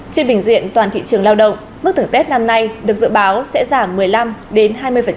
trên bình diện toàn thị trường lao động mức thưởng tết năm nay được dự báo sẽ giảm một mươi năm đến hai mươi